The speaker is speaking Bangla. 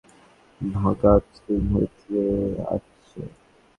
ভাগাত সিং হইতে আসছে।